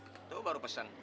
itu baru pesen